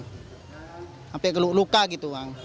sampai luka gitu